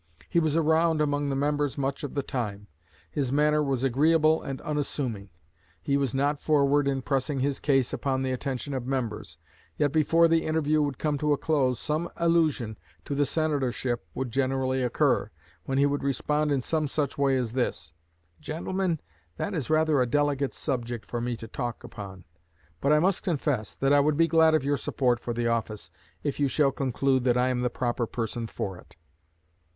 He was around among the members much of the time. His manner was agreeable and unassuming; he was not forward in pressing his case upon the attention of members, yet before the interview would come to a close some allusion to the Senatorship would generally occur, when he would respond in some such way as this: 'Gentlemen, that is rather a delicate subject for me to talk upon; but I must confess that I would be glad of your support for the office, if you shall conclude that I am the proper person for it.'